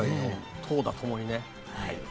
投打ともにね。